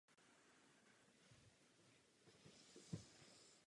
Alespoň v Irsku však počet úředníků dohlížejících na zemědělce eskaloval.